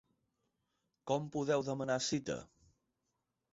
Com podeu demanar cita?